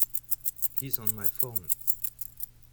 He's on my phone.